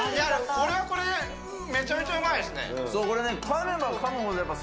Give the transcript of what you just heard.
これはこれでめちゃめちゃうまいですね。